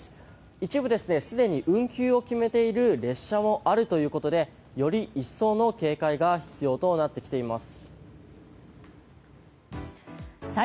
一部、すでに運休を決めている列車もあるということでより一層の警戒が必要となってきています。